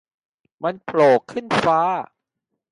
มันโผล่ขึ้นฟ้า